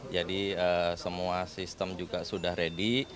jadi semua sistem juga sudah ready